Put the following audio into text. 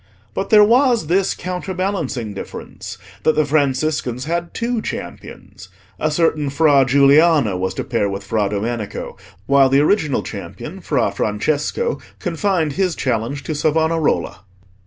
But there was this counterbalancing difference, that the Franciscans had two champions: a certain Fra Giuliano was to pair with Fra Domenico, while the original champion, Fra Francesco, confined his challenge to Savonarola.